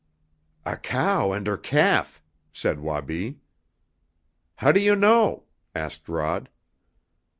"A cow and her calf," said Wabi. "How do you know?" asked Rod.